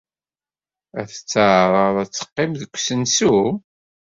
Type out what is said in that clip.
Ad tetteɛraḍ ad teqqim deg usensu?